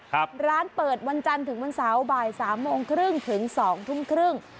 ครับร้านเปิดวันจันทร์ถึงวันเสาร์บ่ายสามโมงครึ่งถึงสองทุ่มครึ่ง